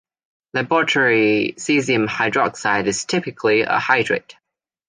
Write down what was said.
Laboratory caesium hydroxide is typically a hydrate.